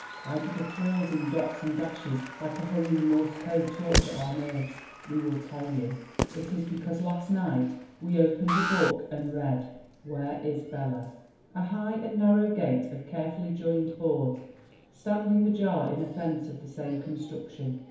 Why do the thrills in dots and dashes like a hurrying Morse code torture our nerves? We will tell you. It is because last night we opened a book and read : 204 ANNA KATHARINE GREEN 205 I WHERE IS BELA? "A high and narrow gate of carefully joined boards, standing ajar in a fence of the same construction!